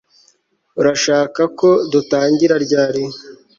Urashaka ko dutangira ryari